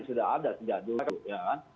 sudah ada sejak dulu ya kan